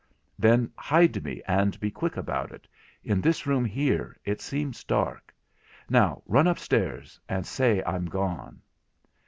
'Then hide me, and be quick about it—in this room here, it seems dark. Now run upstairs and say I'm gone.'